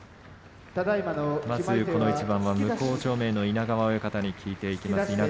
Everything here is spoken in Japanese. まずこの一番は向正面の稲川親方に聞いていきます。